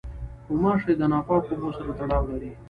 غوماشې د ناپاکو اوبو سره تړاو لري.